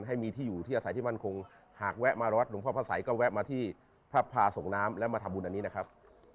ให้มีที่อยู่ที่อาศัยที่มั่นคงหากแวะมาวัดหลวงพ่อพระสัยก็แวะมาที่พระพาส่งน้ำและมาทำบุญอันนี้นะครับ